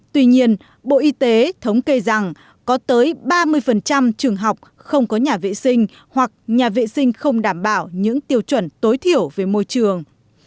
tuy nhiên bộ y tế thống kê rằng có tới ba mươi trường học không có nhà vệ sinh hoặc nhà vệ sinh không đảm bảo những tiêu chuẩn tối thiểu về môi trường